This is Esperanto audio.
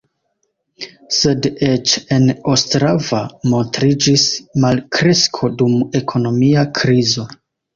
Sed eĉ en Ostrava montriĝis malkresko dum ekonomia krizo.